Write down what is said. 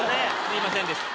すいませんでした。